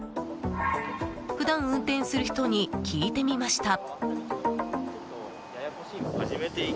普段、運転する人に聞いてみました。